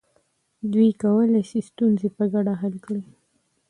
دوی کولی سي ستونزې په ګډه حل کړي.